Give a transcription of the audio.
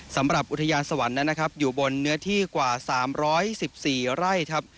สำหรับอุทยานสวรรค์นั้นนะครับอยู่บนเนื้อที่กว่า๓๑๔ไร่ครับ